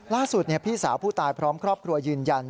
พี่สาวผู้ตายพร้อมครอบครัวยืนยัน